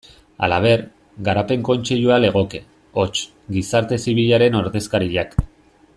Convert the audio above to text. Halaber, Garapen Kontseilua legoke, hots, gizarte zibilaren ordezkariak.